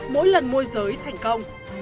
mỗi lần môi giới thành công